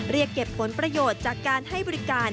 เรียกเก็บผลประโยชน์จากการให้บริการ